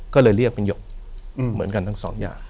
ก็เลยเรียกเป็นหยกเหมือนกันทั้งสองอย่าง